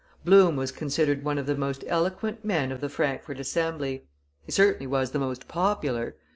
Blum was considered one of the most eloquent men of the Frankfort Assembly; he certainly was the most popular.